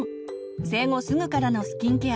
生後すぐからのスキンケア